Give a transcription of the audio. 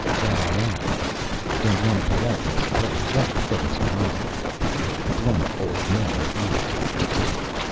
"That I am." "Don't want to pay up, I suppose. That doesn't surprise me." Blunt old men irritate me.